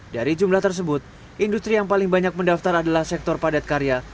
dari jumlah tersebut industri yang paling banyak mendaftar adalah sektor padat karya